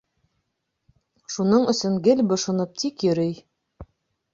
Шуның өсөн гел бошоноп тик йөрөй.